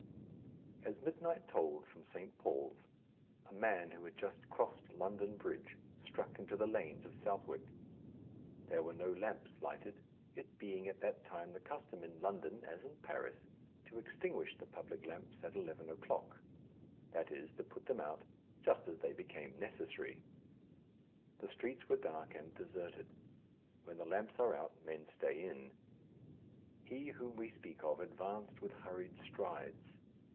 As midnight tolled from St. Paul's, a man who had just crossed London Bridge struck into the lanes of Southwark. There were no lamps lighted, it being at that time the custom in London, as in Paris, to extinguish the public lamps at eleven o'clock that is, to put them out just as they became necessary. The streets were dark and deserted. When the lamps are out men stay in. He whom we speak of advanced with hurried strides.